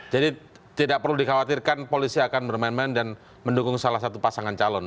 jadi tidak perlu dikhawatirkan polisi akan bermain main dan mendukung salah satu pasangan calon